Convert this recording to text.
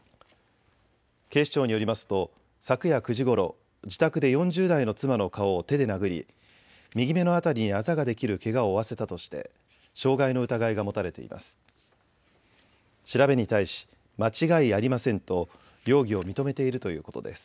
警視庁によりますと昨夜９時ごろ自宅で４０代の妻の顔を手で殴り右目の辺りにあざができるけがを負わせたとして傷害の疑いが持たれています。